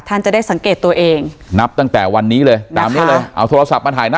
ท่านจะได้สังเกตตัวเองนับตั้งแต่วันนี้เลย